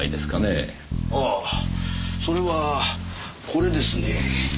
ああそれはこれですね。